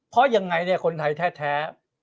เพราะอย่างไงคนไทยแท้